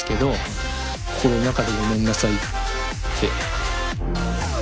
心の中で「ごめんなさい」って。